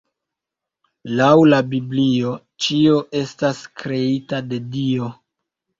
Laŭ la Biblio ĉio estas kreita de Dio.